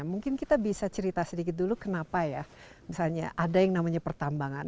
mungkin kita bisa cerita sedikit dulu kenapa ya misalnya ada yang namanya pertambangan